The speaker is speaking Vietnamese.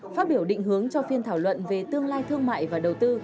phát biểu định hướng cho phiên thảo luận về tương lai thương mại và đầu tư